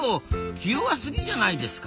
気弱すぎじゃないですか？